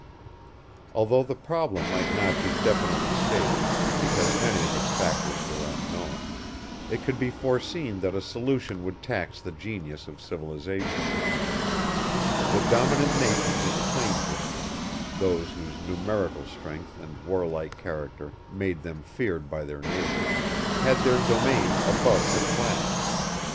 Although the problem might not be definitely stated, because many of its factors were unknown, it could be foreseen that a solution would tax the genius of civilization. The dominant nations of the plains Indians those whose numerical strength and war like character made them feared by their neighbors had their domain above the Platte.